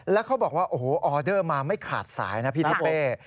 แล้วเขาบอกว่าโอ้โหออเดอร์มาไม่ขาดสายนะพี่ทิเป้